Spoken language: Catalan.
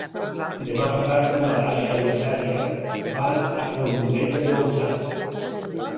Demà passat na Laia i na Dèlia van a Cornudella de Montsant.